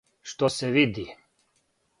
Што се види?